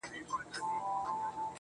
ځكه دنيا مي ته يې.